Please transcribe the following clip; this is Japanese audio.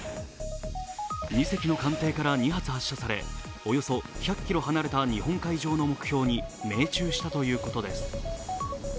２隻の艦艇から２発発射されおよそ１００ｋｍ離れた日本海上の目標に命中したということです。